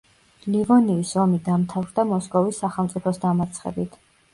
ლივონიის ომი დამთავრდა მოსკოვის სახელმწიფოს დამარცხებით.